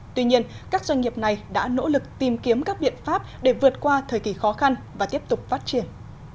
tuy nhiên các doanh nghiệp này đã nỗ lực tìm kiếm các biện pháp để vượt qua thời kỳ khó khăn và tiếp tục phát triển